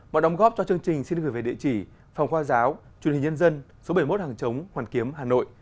mọi đóng góp cho chương trình xin được gửi về địa chỉ phòng khoa giáo truyền hình nhân dân số bảy mươi một hàng chống hoàn kiếm hà nội